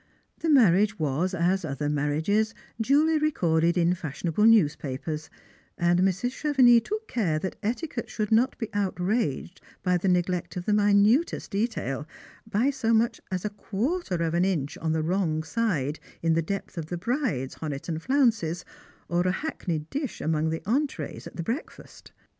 The marriage was, as other marriages, duly recorded in fashionable newspapers, and Mrs. Chevenix took care that etiquette should not be outraged by the neglect of the minutest detail, by so much as a quarter of an inch on the wrong side in the depth of the bride's Honiton flounces, or a hackneyed dish among the entrees at the breakfast.